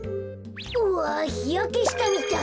うわひやけしたみたい。